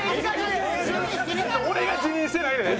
俺が自認してないねん！